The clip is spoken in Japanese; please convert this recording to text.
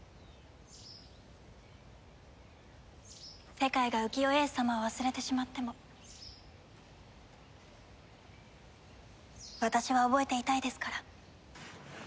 世界が浮世英寿様を忘れてしまっても私は覚えていたいですから。